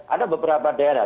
ada beberapa daerah